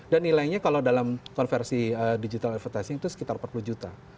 dan nilainya kalau dalam konversi digital advertising itu sekitar empat puluh juta